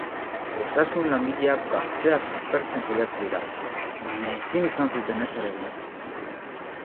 Osasun-langileak gaztea suspertzen saiatu dira, baina ezin izan zuten ezer egin.